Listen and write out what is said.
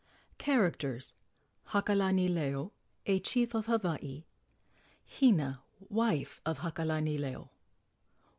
CHARACTERS. Hakalanileo, a chief of Hawaii. Hina, wife of Hakalanileo.